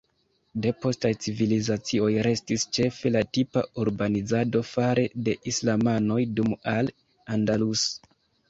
De postaj civilizacioj restis ĉefe la tipa urbanizado fare de islamanoj dum Al Andalus.